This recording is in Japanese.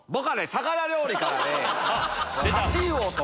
魚料理からね！